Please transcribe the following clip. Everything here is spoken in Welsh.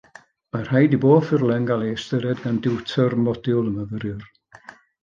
Mae rhaid i bob ffurflen gael ei hystyried gan diwtor modiwl y myfyriwr